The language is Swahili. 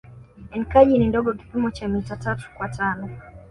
Enkaji ni ndogo kipimo cha mita tatu kwa tano